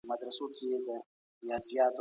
په اسلام کي په علم زده کړه ډېر ټینګار سوی دی.